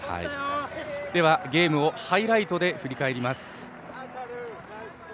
ではゲームをハイライトで振り返ります。